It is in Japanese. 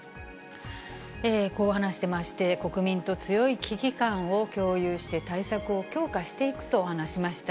こう話していまして、国民と強い危機感を共有して、対策を強化していくと話しました。